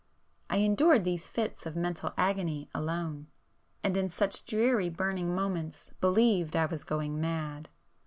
I endured these fits of mental agony alone,—and in such dreary burning moments, believed I was going mad.